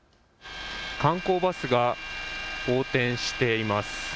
観光バスが横転しています。